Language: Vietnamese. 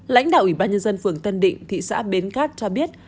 lãnh đạo ủy ban nhân dân phường tân định thị xã bến cát cho biết